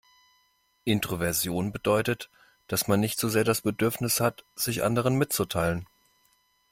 Introversion bedeutet, dass man nicht so sehr das Bedürfnis hat, sich anderen mitzuteilen.